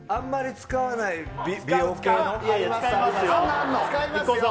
使いますよ。